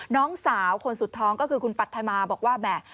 น้องสาวคนสุดท้องก็คือคุณปัธมาบอกว่าแหม